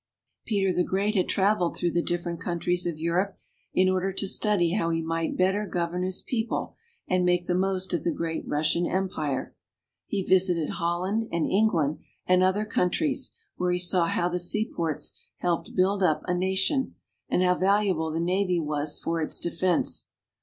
Peter the Great had traveled through the different countries of Europe in order to study how he might better govern his people and make the most of the great Russian Empire. He visited Holland, and England, and other countries, where he saw how the seaports helped build up a nation, and how valuable the navy was for its defense.